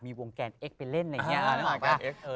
มีวงแกนเอ็กซ์ไปเล่นอะไรอย่างนี้